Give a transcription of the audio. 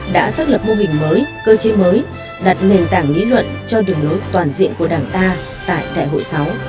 đã xác lập mô hình mới cơ chế mới đặt nền tảng lý luận cho đường lối toàn diện của đảng ta tại đại hội sáu